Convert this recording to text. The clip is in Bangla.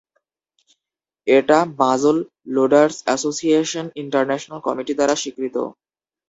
এটি muzzle loaders association international committee দ্বারা স্বীকৃত।